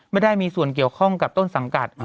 ไม่ได้มีส่วนเกี่ยวข้องกับต้นสังกัด